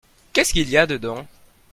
Qu'est-ce qu'il y a dedans ?